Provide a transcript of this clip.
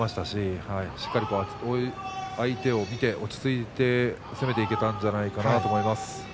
しっかり相手を見て落ち着いて攻めていけたんじゃないかなと思います。